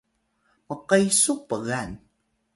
mqesu pgan